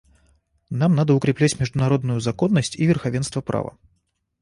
Нам надо укреплять международную законность и верховенство права.